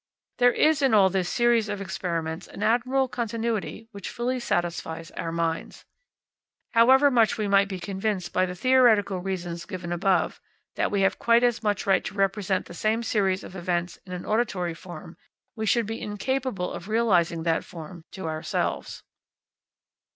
There is in all this series of experiments an admirable continuity which fully satisfies our minds. However much we might be convinced by the theoretical reasons given above, that we have quite as much right to represent the same series of events in an auditory form, we should be incapable of realising that form to ourselves.